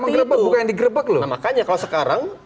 ya yang mengerebek bukan yang digerebek loh nah makanya kalau sekarang